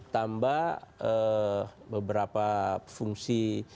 tambah beberapa fungsi